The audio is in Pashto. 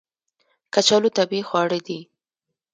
کچالو طبیعي خواړه دي